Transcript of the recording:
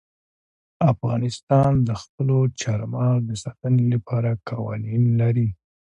افغانستان د خپلو چار مغز د ساتنې لپاره قوانین لري.